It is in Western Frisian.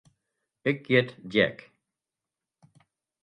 Ik hjit Jack.